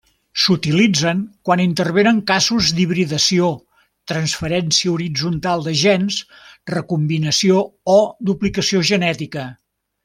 S'utilitzen quan intervenen casos d'hibridació, transferència horitzontal de gens, recombinació o duplicació genètica.